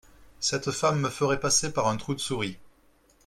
Cette femme me ferait passer par un trou de souris.